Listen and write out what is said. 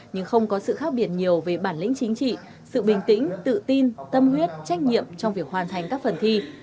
nhưng không có sự khác biệt nhiều về bản lĩnh chính trị sự bình tĩnh tự tin tâm huyết trách nhiệm trong việc hoàn thành các phần thi